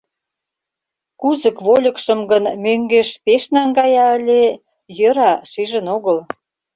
Кузык вольыкшым гын, мӧҥгеш пеш наҥгая ыле — йӧра, шижын огыл.